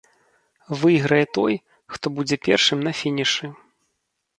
Выйграе той, хто будзе першым на фінішы.